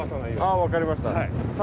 ああ分かりました。